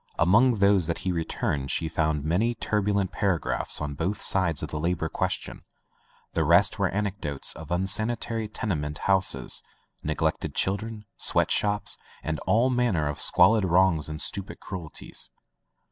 Among those that he returned she found many turbulent paragraphs on both sides of the labor question: the rest were anec dotes of unsanitary tenement houses, neg lected children, sweat shops, and all man ner of squalid wrongs and stupid cruelties.